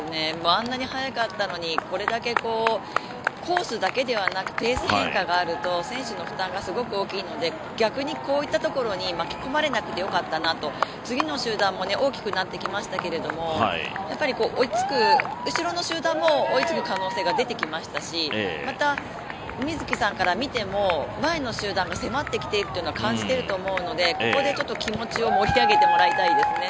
あんなに速かったのにこれだけコースだけではなくペース変化があると選手の負担がすごく大きいので、逆にこういったところに巻き込まれなくてよかったなと次の集団も大きくなってきましたけども後ろの集団も追いつく可能性が出てきましたしまた瑞生さんから見ても前の集団が迫ってきているというのは感じていると思うのでここで気持ちを盛り上げてもらいたいですね。